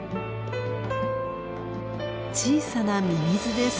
小さなミミズです。